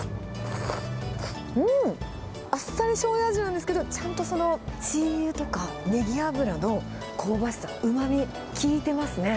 あっさりしょうゆ味なんですけど、ちゃんとそのチーユとかネギ油の香ばしさ、うまみ、効いてますね。